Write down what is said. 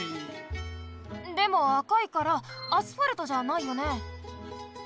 でも赤いからアスファルトじゃないよね？